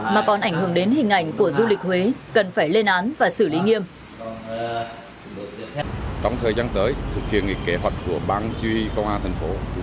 mà còn ảnh hưởng đến hình ảnh của du lịch huế